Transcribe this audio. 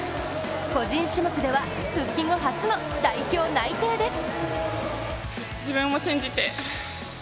個人種目では復帰後初の代表内定です。